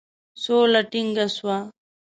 سوله ټینګه سوه.